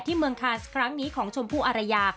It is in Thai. เมืองคานส์ครั้งนี้ของชมพู่อารยา